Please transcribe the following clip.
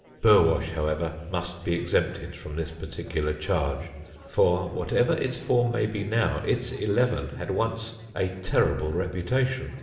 Burwash, however, must be exempted from this particular charge, for, whatever its form may be now, its eleven had once a terrible reputation.